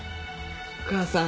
お母さん。